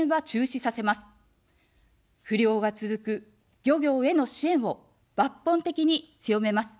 不漁が続く漁業への支援を抜本的に強めます。